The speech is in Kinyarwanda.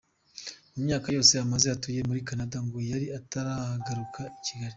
Mu myaka yose amaze atuye muri Canada ngo yari ataragaruka i Kigali.